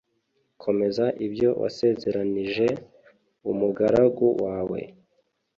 komeza ibyo wasezeranije umugaragu wawe